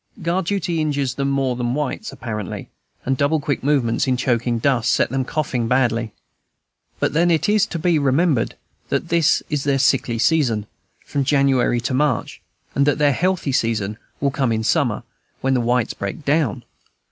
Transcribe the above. Guard duty injures them more than whites, apparently; and double quick movements, in choking dust, set them coughing badly. But then it is to be remembered that this is their sickly season, from January to March, and that their healthy season will come in summer, when the whites break down.